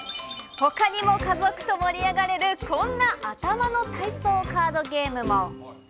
ほかにも家族と盛り上がれる、こんな頭の体操カードゲームも。